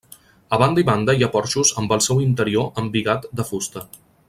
A banda i banda hi ha porxos amb el seu interior embigat de fusta.